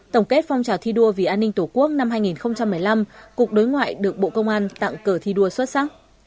tổng kết phong trào thi đua vì an ninh tổ quốc năm hai nghìn một mươi năm cục đối ngoại được bộ công an tặng cờ thi đua xuất sắc